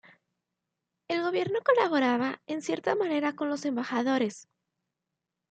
El gobierno colaboraba en cierta manera con los embajadores.